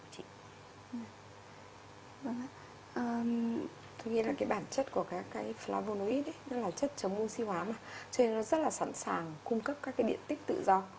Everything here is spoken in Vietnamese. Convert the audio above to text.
tôi nghĩ là bản chất của favonoid là chất chống oxy hóa cho nên nó rất sẵn sàng cung cấp các điện tích tự do